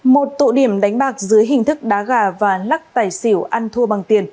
một tụ điểm đánh bạc dưới hình thức đá gà và lắc tài xỉu ăn thua bằng tiền